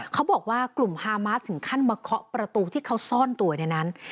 เขาบอกว่ากลุ่มฮามาสถึงขั้นมาเคาะประตูที่เขาซ่อนตัวในนั้น